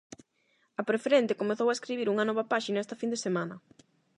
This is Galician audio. A Preferente comezou a escribir unha nova páxina esta fin de semana.